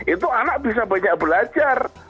itu anak bisa banyak belajar